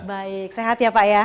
baik sehat ya pak ya